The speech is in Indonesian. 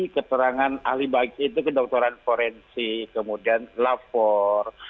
keterangan ahli baik itu kedokteran forensik kemudian lapor